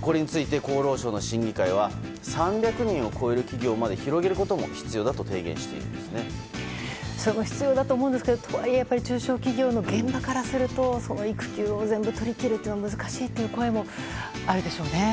これについて厚労省の審議会は３００人を超える企業まで広げることも必要だとそれも必要だと思うんですけどとはいえ中小企業の現場からすると育休を全部取り切るのは難しいという声もあるでしょうね。